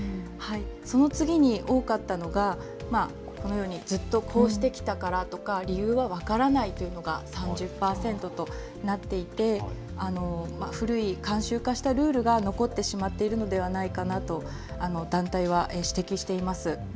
その次に多かったのがこのように、ずっとこうしてきたからとか理由は分からないというものが３０％となっていて古い慣習化したルールが残ってしまっているのではないかなと団体は指摘しています。